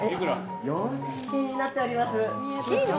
４０００円になっております。